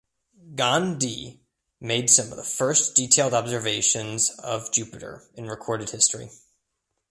Gan De made some of the first detailed observations of Jupiter in recorded history.